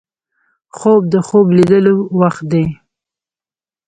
خوب د خوب لیدلو وخت دی